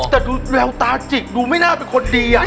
แต่ดูแววตาจิกดูไม่น่าเป็นคนดี